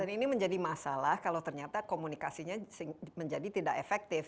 dan ini menjadi masalah kalau ternyata komunikasinya menjadi tidak efektif